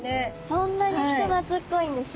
そんなに人懐っこいんですね。